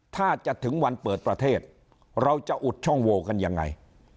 ถ้าจะถึงวันเปิดประเทศเราจะอุดช่องโวกันยังไง